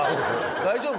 大丈夫？